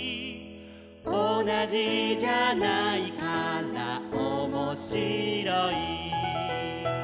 「おなじじゃないからおもしろい」